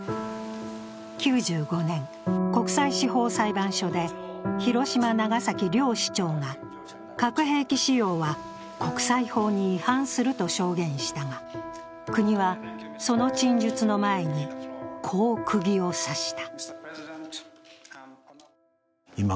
９５年、国際司法裁判所で広島・長崎両市長が、核兵器使用は国際法に違反すると証言したが、国はその陳述の前にこうくぎを刺した。